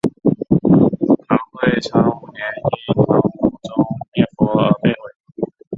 唐会昌五年因唐武宗灭佛而被毁。